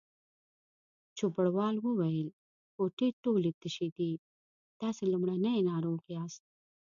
چوپړوال وویل: کوټې ټولې تشې دي، تاسې لومړنی ناروغ یاست.